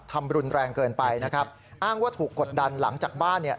ทำรุนแรงเกินไปนะครับอ้างว่าถูกกดดันหลังจากบ้านเนี่ย